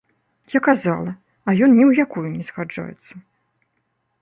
Я казала, а ён ні ў якую не згаджаецца.